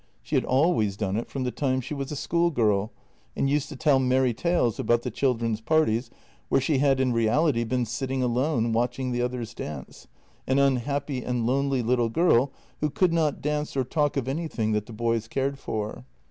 She had always done it from the time she was a schoolgirl and used to tell merry tales about the children's parties, where she had in reality been sitting alone, watching the others dance — an unhappy and lonely lit tle girl who could not dance or talk of anything that the boys cared for.